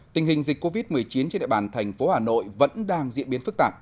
tình hình dịch covid một mươi chín trên địa bàn thành phố hà nội vẫn đang diễn biến phức tạp